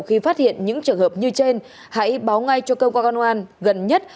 khi phát hiện những trường hợp như trên hãy báo ngay cho cơ quan công an gần nhất